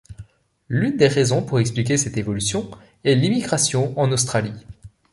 L'une des raisons pour expliquer cette évolution est l'immigration en Australie.